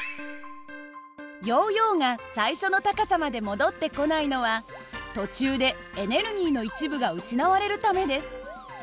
ヨーヨーが最初の高さまで戻ってこないのは途中でエネルギーの一部が失われるためです。